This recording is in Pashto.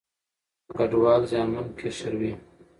کډوال زیانمن قشر وي.